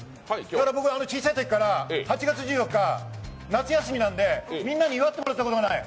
僕、小さいときから８月１４日夏休みなのでみんなに祝ってもらったことがない。